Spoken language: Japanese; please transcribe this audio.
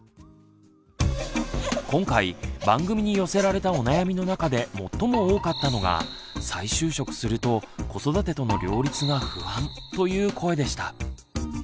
今回番組に寄せられたお悩みの中で最も多かったのが「再就職すると子育てとの両立が不安」という声でした。